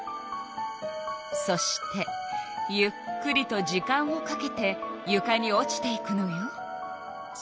そしてゆっくりと時間をかけてゆかに落ちていくのよ。